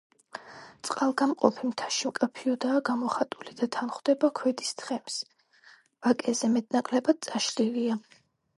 წყალგამყოფი მთაში მკაფიოდაა გამოხატული და თანხვდება ქედის თხემს, ვაკეზე მეტ-ნაკლებად წაშლილია.